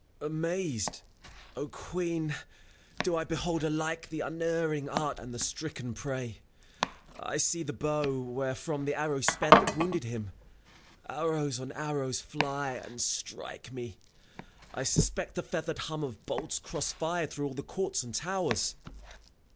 FAUST. Amazed, O Queen, do I behold alike i60 FAUST. The unerring archer and the stricken prey. I see the bow, wherefrom the arrow sped That wounded him. Arrows on arrows fly, And strike me. I suspect the feathered hum Of bolts cross fired through all the courts and towers.